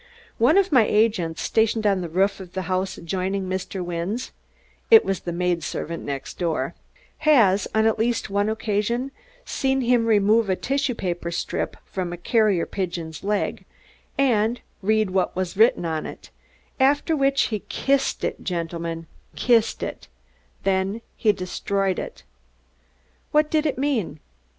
"One of my agents, stationed on the roof of the house adjoining Mr. Wynne's" (it was the maid servant next door) "has, on at least one occasion, seen him remove a tissue paper strip from a carrier pigeon's leg and read what was written on it, after which he kissed it, gentlemen, kissed it; then he destroyed it. What did it mean?